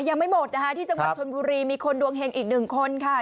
ยังไม่หมดนะคะที่จังหวัดชนบุรีมีคนดวงเห็งอีกหนึ่งคนค่ะ